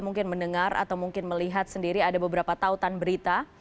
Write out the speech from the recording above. mungkin mendengar atau mungkin melihat sendiri ada beberapa tautan berita